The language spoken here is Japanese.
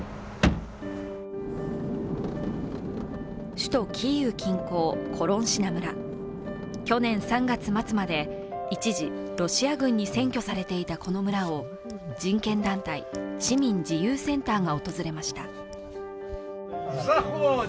首都キーウ近郊・コロンシナ村去年３月末まで一時、ロシア軍に占拠されていたこの村を人権団体市民自由センターが訪れました。